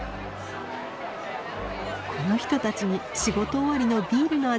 この人たちに仕事終わりのビールの味